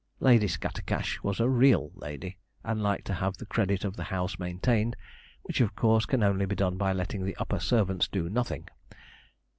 Lady Scattercash was a real lady, and liked to have the credit of the house maintained, which of course can only be done by letting the upper servants do nothing.